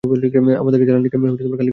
আমাদেরকে জ্বালানি খালি করতে হবে।